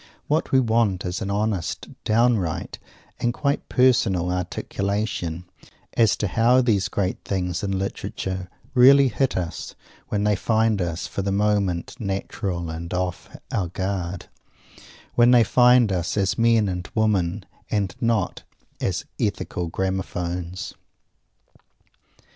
What we want is an honest, downright and quite personal articulation, as to how these great things in literature really hit us when they find us for the moment natural and off our guard when they find us as men and women, and not as ethical gramaphones.